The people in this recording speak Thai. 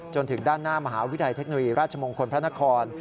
จนถึงด้านหน้ามหาวิทยาลัยเทคโนโลยีราชมงคลพระนคร